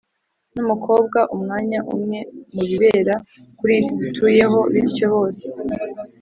n’umukobwa umwanya umwe mu bibera kuri iyi si dutuyeho, bityo bose